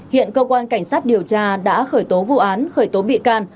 hiện cơ quan cảnh sát điều tra đã khởi tố vụ án khởi tố bị can